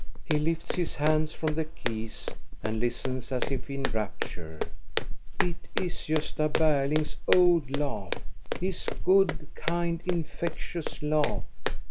He lifts his hands from the keys and listens as if in rapture. It is Gosta Berling's old laugh, his good, kind, infectious laugh.